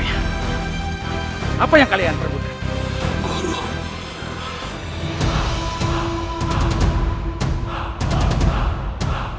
telah berangkat mereka persis ketika aku masih muda